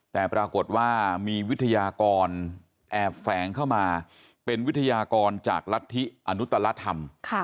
แต่ปรากฏว่ามีวิทยากรแอบแฝงเข้ามาเป็นวิทยากรจากรัฐธิอนุตรธรรม